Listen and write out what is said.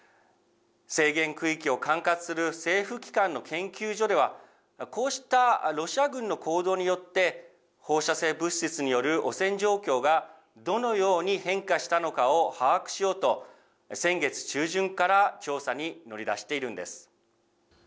制限区域を管轄する政府機関の研究所では、こうしたロシア軍の行動によって、放射性物質による汚染状況がどのように変化したのかを把握しようと、先月中旬から調査に乗り出しているんです。